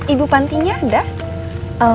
ibu pantinya ada